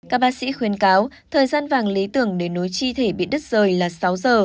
các bác sĩ khuyên cáo thời gian vàng lý tưởng để nối chi thể bị đứt rời là sáu giờ